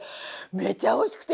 めちゃおいしくて！